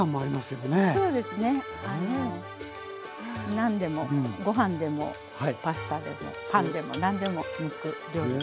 何でもご飯でもパスタでもパンでも何でも向く料理です。